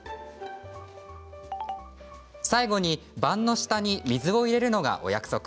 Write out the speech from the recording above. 最後に盤の下に水を入れるのがお約束。